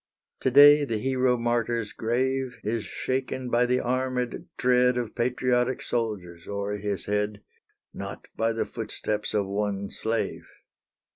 To day the hero martyr's grave Is shaken by the armed tread Of patriotic soldiers o'er his head Not by the footsteps of one slave!